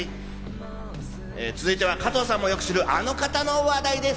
続いては、加藤さんもよく知るあの方の話題です。